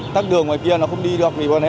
tắt đường ngoài kia nó không đi được